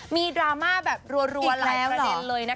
มีดราม่าแบบรัวอีกแล้วเหรอหลายประเด็นเลยนะคะ